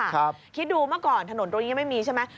คิดดูเมื่อก่อนถนนตรงนี้ยังไม่มีใช่ไหม